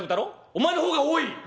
お前の方が多い。